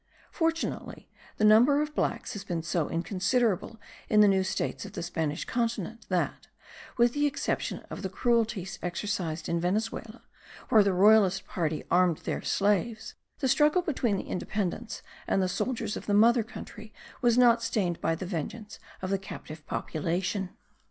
Fortunately the number of blacks has been so inconsiderable in the new states of the Spanish continent that, with the exception of the cruelties exercised in Venezuela, where the royalist party armed their slaves, the struggle between the independents and the soldiers of the mother country was not stained by the vengeance of the captive population.